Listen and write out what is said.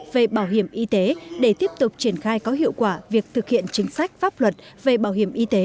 về bảo hiểm y tế để tiếp tục triển khai có hiệu quả việc thực hiện chính sách pháp luật về bảo hiểm y tế